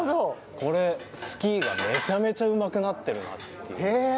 これ、スキーはめちゃめちゃうまくなっているなって。